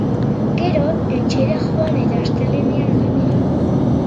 Gero etxera joan, eta astelehenean lanera.